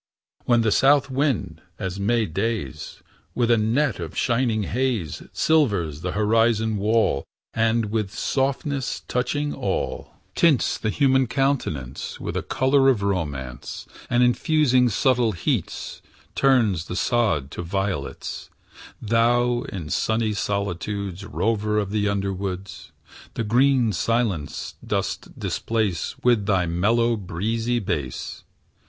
When the south wind, in May days, With a net of shining haze Silvers the horizon wall, And with softness touching all, Tints the human countenance With a color of romance, And infusing subtle heats, Turns the sod to violets, Thou, in sunny solitudes, Rover of the underwoods, The green silence dost displace With thy mellow, breezy bass.